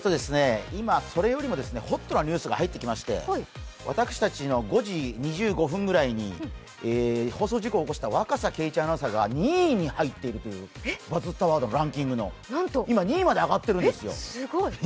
今、それよりもホットなニュースが入ってきまして、私たちの５時２５分くらいに放送事故を起こした若狭敬一アナウンサーが２位に入っているという、「バズったワードランキング」の２位にまで上がっているんですよ。